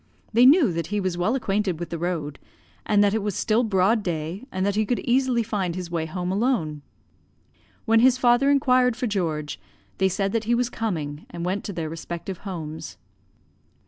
They knew that he was well acquainted with the road, and that it was still broad day, and that he could easily find his way home alone. When his father inquired for George, they said that he was coming, and went to their respective homes.